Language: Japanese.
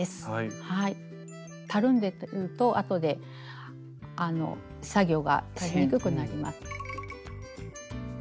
たるんでるとあとであの作業がしにくくなります。